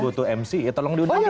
butuh mc ya tolong diundang